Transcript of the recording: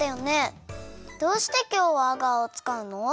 どうしてきょうはアガーをつかうの？